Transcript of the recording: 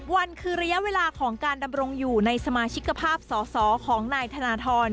วันคือระยะเวลาของการดำรงอยู่ในสมาชิกภาพสอสอของนายธนทร